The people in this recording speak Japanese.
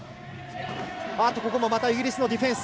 ここもまたイギリスのディフェンス。